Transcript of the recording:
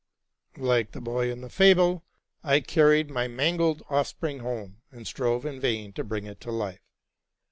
Like the boy in the fable, I carried my mangled offspring home, and strove in vain to bring it to life.